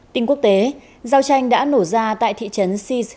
tình quốc tế giao tranh đã nổ ra tại thị trấn sis